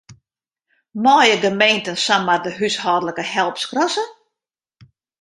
Meie gemeenten samar de húshâldlike help skrasse?